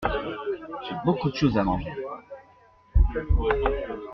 J’ai beaucoup de choses à manger.